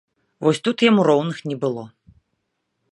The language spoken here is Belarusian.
Вось тут яму роўных не было.